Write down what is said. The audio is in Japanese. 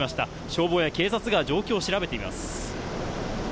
消防や警察が状況を調べています。